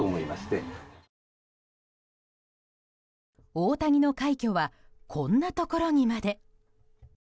大谷の快挙はこんなところにまで。